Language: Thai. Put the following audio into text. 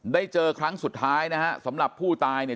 เจอครั้งสุดท้ายนะฮะสำหรับผู้ตายเนี่ย